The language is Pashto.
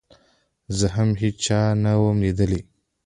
زه هم هېچا نه وم ليدلى.